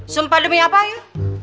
sumpah demi apa yuk